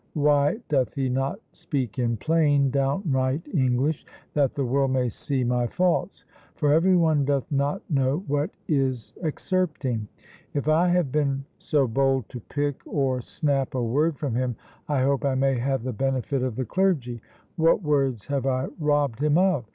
Why doth he not speak in plain, downright English, that the world may see my faults? For every one doth not know what is excerpting. If I have been so bold to pick or snap a word from him, I hope I may have the benefit of the clergy. What words have I robbed him of?